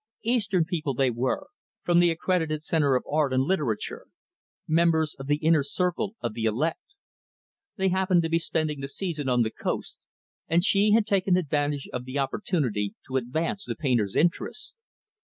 Eastern people they were; from the accredited center of art and literature; members of the inner circle of the elect. They happened to be spending the season on the Coast, and she had taken advantage of the opportunity to advance the painter's interests.